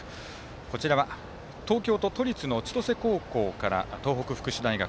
こちらは東京都立の千歳高校から東北福祉大学。